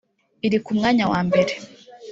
Iri ku mwanya wa mbere